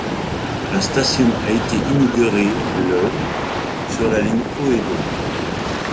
La station a été inaugurée le sur la ligne Ōedo.